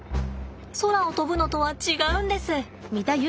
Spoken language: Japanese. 空を飛ぶのとは違うんです。